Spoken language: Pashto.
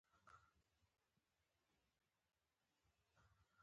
په افغانستان کې لوړ پابندي غرونه په ډېر شمېر شتون لري.